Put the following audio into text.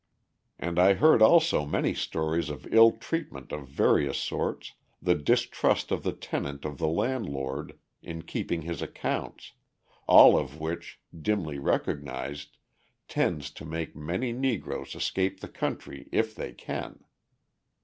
And I heard also many stories of ill treatment of various sorts, the distrust of the tenant of the landlord in keeping his accounts all of which, dimly recognised, tends to make many Negroes escape the country, if they can.